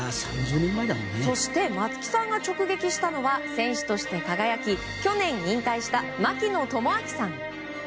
そして松木さんが直撃したのは選手として輝き去年引退した槙野智章さん。